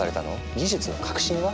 技術の革新は？